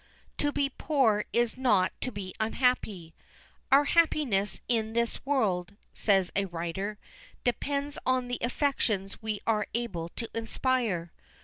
to be poor is not to be unhappy. "Our happiness in this world," says a writer, "depends on the affections we are able to inspire."